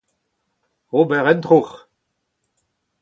ober un troc'h